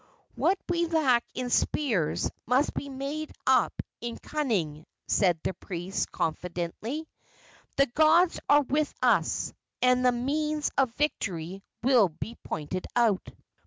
"What we lack in spears must be made up in cunning," said the priest, confidently. "The gods are with us, and the means of victory will be pointed out."